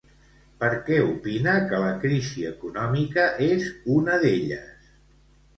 Per què opina que la crisi econòmica és una d'elles?